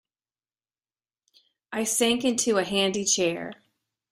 I sank into a handy chair.